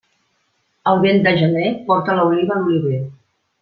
El vent de gener porta l'oliva a l'oliver.